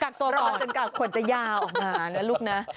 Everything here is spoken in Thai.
รอจนกากขนจะยาวแล้วอ่ะลูกนะ